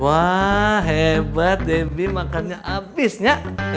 wah hebat debbie makannya habis ya